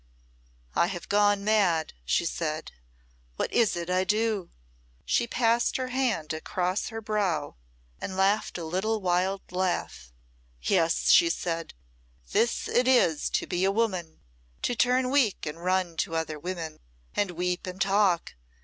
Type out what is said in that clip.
"I have gone mad," she said. "What is it I do?" She passed her hand across her brow and laughed a little wild laugh. "Yes," she said; "this it is to be a woman to turn weak and run to other women and weep and talk.